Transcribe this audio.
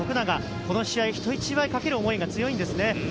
この試合、人一倍かける思いが強いんですね。